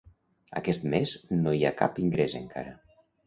Aquest mes no hi ha cap ingrés encara.